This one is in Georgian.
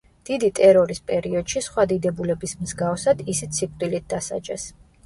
დიდი ტერორის პერიოდში სხვა დიდებულების მსგავსად ისიც სიკვდილით დასაჯეს.